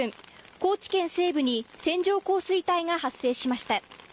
高知県西部に線状降水帯が発生しました。